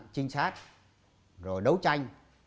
trinh sát rồi đấu tranh